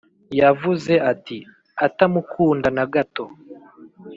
yavuze. atamukunda na gato